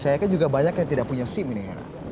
saya yakin juga banyak yang tidak punya sim ini